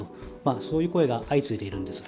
そういう声が相次いでいるんです。